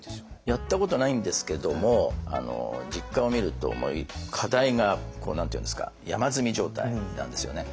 やったことはないんですけども実家を見ると課題が山積み状態なんですよね。